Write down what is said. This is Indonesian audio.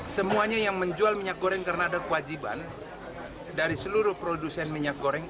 semuanya yang menjual minyak goreng karena ada kewajiban dari seluruh produsen minyak goreng